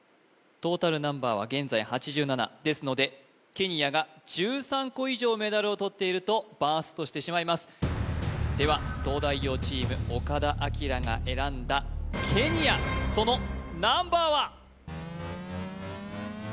トータルナンバーは現在８７ですのでケニアが１３個以上メダルをとっているとバーストしてしまいますでは東大王チーム岡田哲明が選んだケニアそのナンバーは？